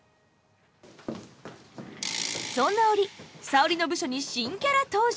そんな折沙織の部署に新キャラ登場！